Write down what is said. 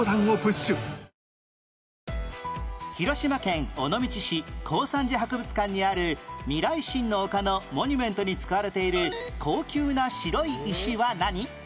広島県尾道市耕三寺博物館にある『未来心の丘』のモニュメントに使われている高級な白い石は何？